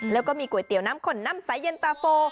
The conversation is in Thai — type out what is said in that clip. แล้วก็มีก๋วยเตี๋ยวน้ำขนน้ำสายเย็นตาโฟ